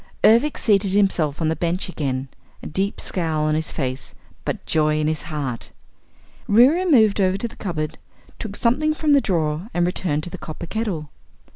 Ervic seated himself on the bench again, a deep scowl on his face but joy in his heart. Reera moved over to the cupboard, took something from the drawer and returned to the copper kettle.